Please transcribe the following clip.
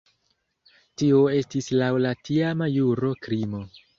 Tio estis laŭ la tiama juro krimo.